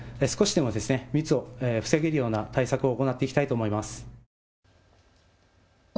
少しでも密を防げるような対策を行っていきたいと思います。